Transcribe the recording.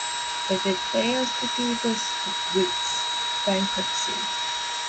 If it fails to do this it risks bankruptcy.